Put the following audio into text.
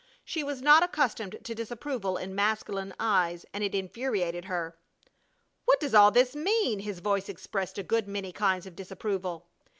She was not accustomed to disapproval in masculine eyes and it infuriated her. "What does all this mean?" His voice expressed a good many kinds of disapproval.